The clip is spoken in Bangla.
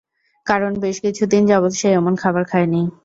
কারণ, বেশ কিছুদিন যাবৎ সে এমন খাবার খায়নি।